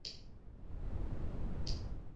مه کوه پر چا چې ونشي پر تا